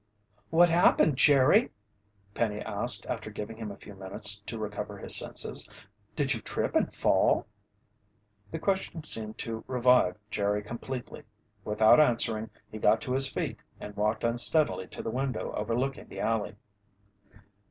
"What happened, Jerry?" Penny asked after giving him a few minutes to recover his senses. "Did you trip and fall?" The question seemed to revive Jerry completely. Without answering, he got to his feet, and walked unsteadily to the window overlooking the alley.